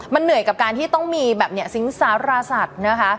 มันเหนื่อยกับการที่ต้องมีแบบนี้สิงสารสัตว์นะคะ